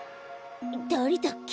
だれだっけ？